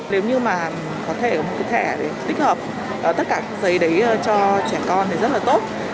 nếu như mà có thể có một cái thẻ để tích hợp tất cả các giấy đấy cho trẻ con thì rất là tốt